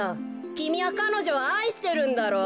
きみはかのじょをあいしてるんだろう？